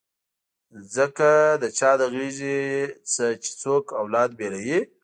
ځکه د چا له غېږې نه چې څوک اولاد بېلوي.